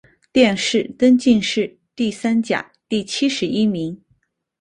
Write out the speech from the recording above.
殿试登进士第三甲第七十一名。